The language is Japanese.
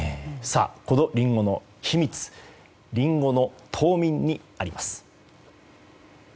このリンゴの秘密リンゴの冬眠にあります。